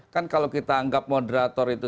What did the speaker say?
kan kalau kita anggap moderator itu